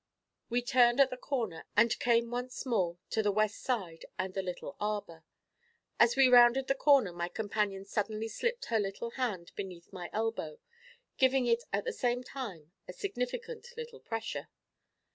We turned at the corner, and came once more to the west side and the little arbour. As we rounded the corner my companion suddenly slipped her little hand beneath my elbow, giving it at the same time a significant little pressure.